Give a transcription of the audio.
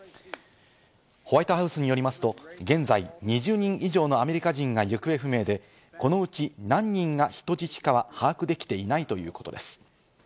ホワイトハウスによりますと、現在、２０人以上のアメリカ人が行方不明で、このうち何人が人質かは把握できていないということです。